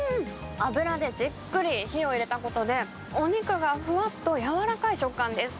油でじっくり火を入れたことで、お肉がふわっとやわらかい食感です。